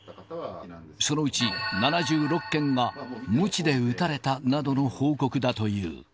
そのうち７６件が、むちで打たれたなどの報告だという。